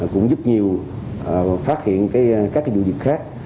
cũng giúp nhiều phát hiện các dụ dịch khác